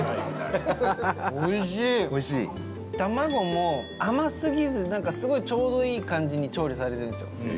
八乙女：たまごも甘すぎずなんか、すごいちょうどいい感じに調理されてるんですよ。